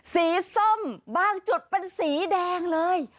ส้มบางจุดเป็นสีแดงเลย